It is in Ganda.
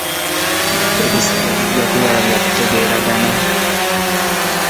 Ebisale bijja kuba bya kutegeeragana.